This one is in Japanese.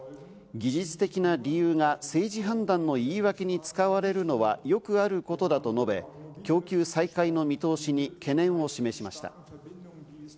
技術的な理由が政治判断の言い訳に使われるのはよくあることだと述べ、供給再開の見通しに懸念を示しました。